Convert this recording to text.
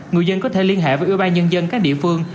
người dân có thể liên hệ với ủy ban nhân dân các địa phương